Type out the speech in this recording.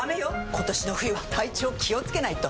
今年の冬は体調気をつけないと！